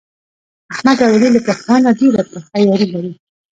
احمد او علي له پخوا نه ډېره پخه یاري لري.